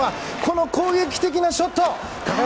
攻撃的なショット！